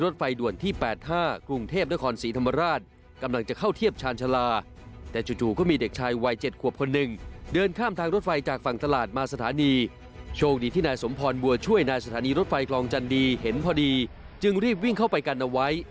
สถานีรถไฟคลองจันทรีย์เห็นพอดีจึงรีบวิ่งเข้าไปกันเอาไว้